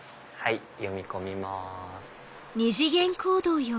読み込みます。